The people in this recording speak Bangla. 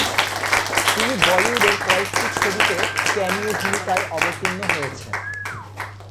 তিনি বলিউডের কয়েকটি ছবিতে ক্যামিও ভূমিকায় অবতীর্ণ হয়েছেন।